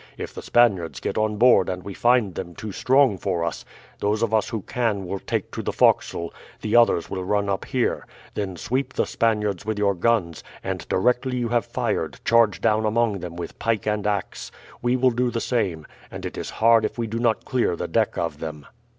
If the Spaniards get on board and we find them too strong for us, those of us who can will take to the forecastle, the others will run up here. Then sweep the Spaniards with your guns, and directly you have fired charge down among them with pike and axe. We will do the same, and it is hard if we do not clear the deck of them."